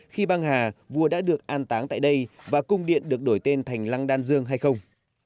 khi băng hà vua đã được an táng tại đây và cung điện được đổi tên thành lăng đan dương hay không